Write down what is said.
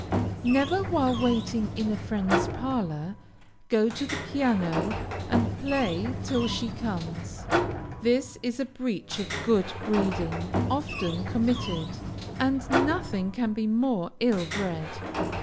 Never, while waiting in a friend's parlor, go to the piano and play till she comes. This is a breach of good breeding often committed, and nothing can be more ill bred.